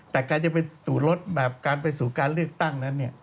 แต่การจะไปสู่ลดแบบการไปสู่การเลือกตั้งนั้น